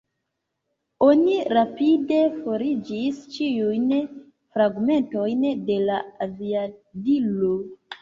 Oni rapide forigis ĉiujn fragmentojn de la aviadilo.